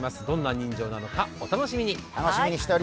どんな人情なのか、お楽しみに！